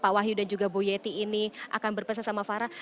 pak wahyu dan juga bu yeti ini akan berpesan sama farah